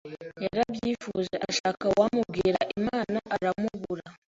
yarabyifuje ashaka uwamubwira Imana aramubura